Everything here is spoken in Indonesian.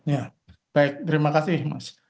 ya baik terima kasih mas